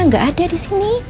gak ada di sini